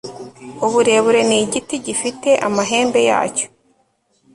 Uburebure ni igiti gifite amahembe yacyo